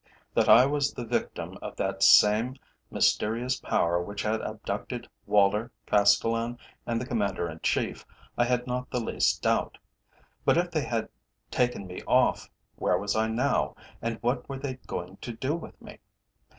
That I was the victim of that same mysterious power which had abducted Woller, Castellan and the Commander in Chief, I had not the least doubt; but if they had taken me off, where was I now, and what were they going to do with me?